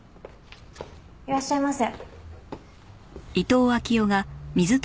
いらっしゃいませ。